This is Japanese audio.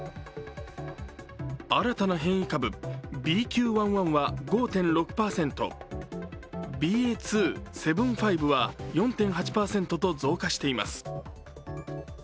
新たな変異株、ＢＱ１．１は５．６％、ＢＡ．２．７５は４．８％と増加しています。